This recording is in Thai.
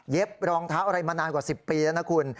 รองเท้าอะไรมานานกว่า๑๐ปีแล้วนะคุณ